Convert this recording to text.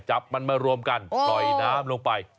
จับมันมารวมกันปล่อยน้ำลงไป